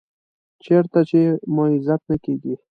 چېرته چې مو عزت نه کېږي .